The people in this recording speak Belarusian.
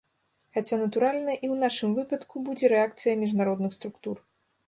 Хаця, натуральна, і ў нашым выпадку будзе рэакцыя міжнародных структур.